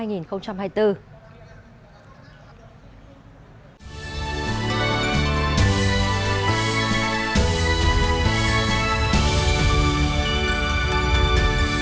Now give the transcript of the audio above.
hội khỏe phù đồng